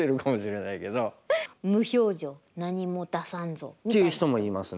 無表情何も出さんぞみたいな。っていう人もいますね。